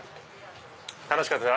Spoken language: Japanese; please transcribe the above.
楽しかったです